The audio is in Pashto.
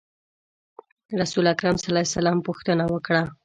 رسول اکرم صلی الله علیه وسلم پوښتنه وکړه.